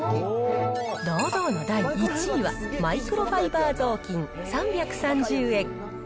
堂々の第１位は、マイクロファイバー雑巾３３０円。